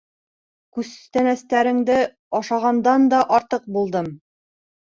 Күстәнәстәреңде ашағандан да артыҡ булдым.